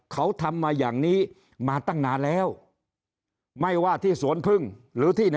เขาทำมาอย่างนี้มาตั้งนานแล้วไม่ว่าที่สวนพึ่งหรือที่ใน